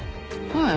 はい。